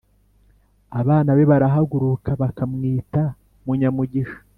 Abana be barahaguruka bakamwita munyamugisha